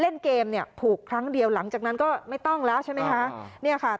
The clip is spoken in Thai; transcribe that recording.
เล่นเกมเนี่ยผูกครั้งเดียวหลังจากนั้นก็ไม่ต้องแล้วใช่ไหมคะเนี่ยค่ะ